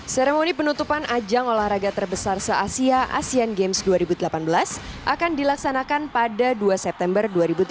seremoni penutupan ajang olahraga terbesar se asia asean games dua ribu delapan belas akan dilaksanakan pada dua september dua ribu delapan belas